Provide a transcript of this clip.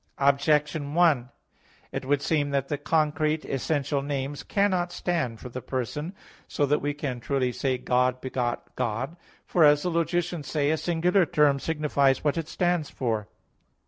Objection 1: It would seem that the concrete, essential names cannot stand for the person, so that we can truly say "God begot God." For, as the logicians say, "a singular term signifies what it stands for."